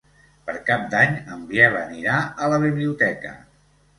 Per Cap d'Any en Biel anirà a la biblioteca.